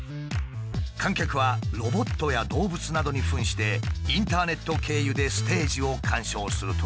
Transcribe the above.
観客はロボットや動物などに扮してインターネット経由でステージを観賞するという。